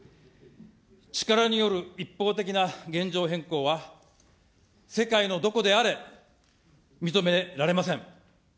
力による一方的な現状変更は、世界のどこであれ、認められません。